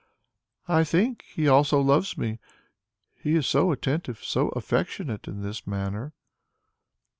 "I think ... he also loves me; he is so attentive, so affectionate in his manner."